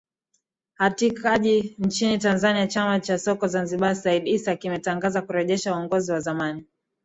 hatakija nchini tanzania chama cha soka zanzibar said issa kimetangaza kurejesha uongozi wa zamani